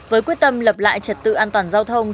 với quyết tâm lập lại trật tự an toàn giao thông